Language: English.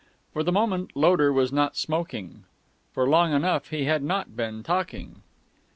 For the moment Loder was not smoking; for long enough he had not been talking.